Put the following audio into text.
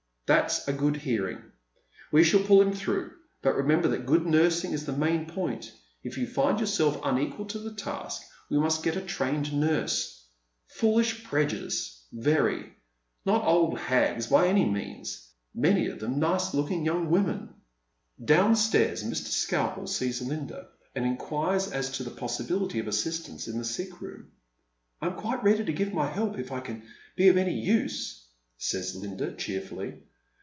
" That's a good hearing. "We shall pull him through, but remember that good nursing is the main point. If you find yourself tjnequal to the task we must get a trained nurse — foolish prejudice, very — not old hags by any means. Many of theui nice li^oklng young women." Good Samaritans^ 23] Downstairs Mr. Skalpel sees Linda, and inquires as to the pos" sibility of assistance in the sick room. " I'm quite ready to give my help, if I can be of any use,* says Linda, cheerfully.